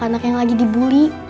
anak yang lagi dibully